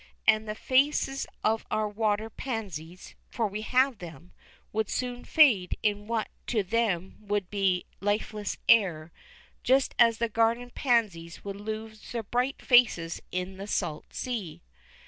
And the faces on our water pansies for we have them would soon fade in what to them would be lifeless air, just as the garden pansies would lose their bright faces in the salt sea.